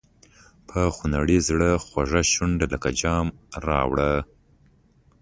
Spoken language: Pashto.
په خونړي زړه خوږه شونډه لکه جام راوړه.